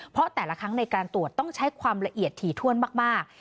เพราะแต่ละครั้งในการตรวจต้องใช้ความละเอียดถี่ถ้วนมาก